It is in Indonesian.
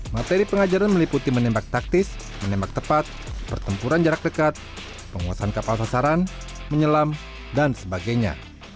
materi pengajaran meliputi menembak taktis menembak tepat pertempuran jarak dekat penguasaan kapal sasaran menyelam dan sebagainya